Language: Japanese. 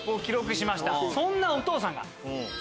そんなお父さんが。